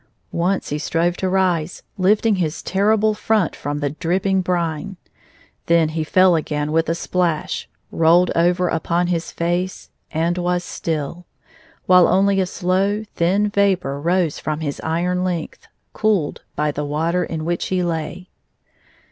Once he strove to rise, lifting his terrible front from the dripping brine. Then he fell again with a splash, rolled over upon his face, and was still, while only a slow, thin vapor rose from his iron length, cooled by the water in which he lay.